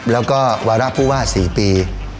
แล้วก็วาระผู้ว่า๔ปี